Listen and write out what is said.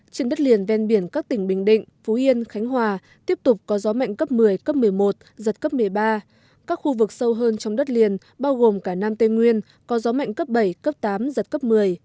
trên đất liền ven biển các tỉnh bình định phú yên khánh hòa tiếp tục có gió mạnh cấp một mươi cấp một mươi một giật cấp một mươi ba các khu vực sâu hơn trong đất liền bao gồm cả nam tây nguyên có gió mạnh cấp bảy cấp tám giật cấp một mươi